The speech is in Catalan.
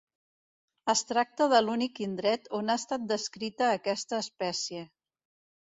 Es tracta de l'únic indret on ha estat descrita aquesta espècie.